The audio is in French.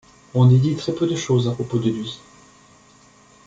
On y dit très peu de choses à propos de lui.